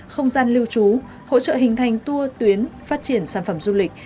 không gian lưu trú hỗ trợ hình thành tour tuyến phát triển sản phẩm du lịch